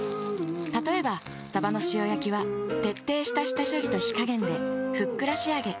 例えばさばの塩焼きは徹底した下処理と火加減でふっくら仕上げ。